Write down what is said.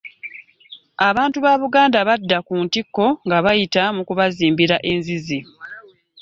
Abantu ba Buganda badda ku ntikko nga bayita mu kubazimbira enzizi